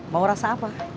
mau rasa apa